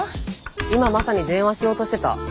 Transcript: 今まさに電話しようとしてた。